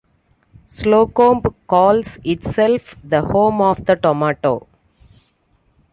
Slocomb calls itself the home of the tomato.